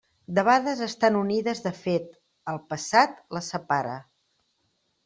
Debades estan unides de fet; el passat les separa.